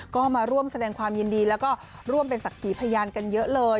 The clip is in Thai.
ก็มาร่วมแสดงความยินดีแล้วก็ร่วมเป็นศักดิ์พยานกันเยอะเลย